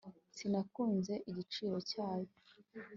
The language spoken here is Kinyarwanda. sinakunze igiciro cyayo